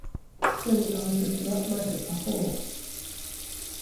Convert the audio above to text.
人に会うときはまずアポを